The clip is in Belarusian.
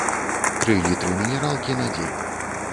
Тры літры мінералкі на дзень.